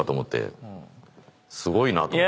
すごいなと思って。